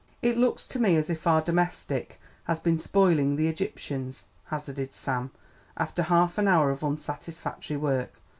"It looks to me as if our domestic had been spoiling the Egyptians," hazarded Sam, after half an hour of unsatisfactory work.